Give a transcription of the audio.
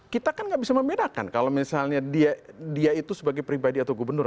kita kan nggak bisa membedakan kalau misalnya dia itu sebagai pribadi atau gubernur